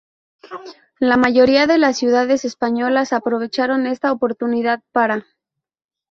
La mayoría de las ciudades españolas aprovecharon esta oportunidad para.